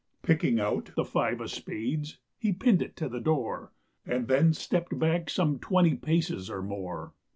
Picking out the five of spades, he pinned it to the door And then stepped back some twenty paces or more.